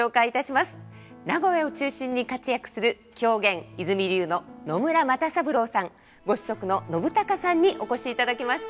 名古屋を中心に活躍する狂言和泉流の野村又三郎さんご子息の信朗さんにお越しいただきました。